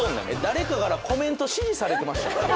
誰かからコメント指示されてました？